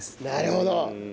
なるほど。